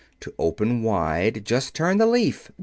To open wide, just turn the leaf.